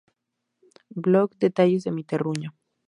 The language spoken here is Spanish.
Blog Detalles de mi terruño